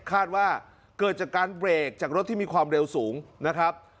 คาดว่าเกิดจากการเบรกจากรถที่มีความเร็วสูงนะครับ